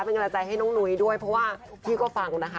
เป็นกำลังใจให้น้องนุ้ยด้วยเพราะว่าพี่ก็ฟังนะคะ